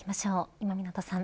今湊さん。